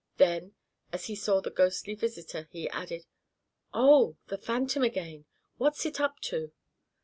Then, as he saw the ghostly visitor, he added: "Oh the phantom again! What's it up to?"